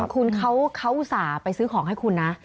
คุณเขาอุตส่าห์ไปซื้อของให้คุณนะ